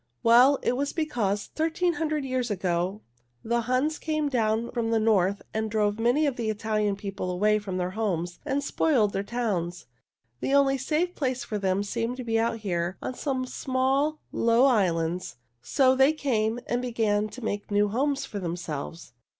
"Well, it was because, thirteen hundred years ago, the Huns came down from the north and drove many of the Italian people away from their homes and spoiled their towns. The only safe place for them seemed to be out here on some small, low islands, so they came and began to make new homes for themselves.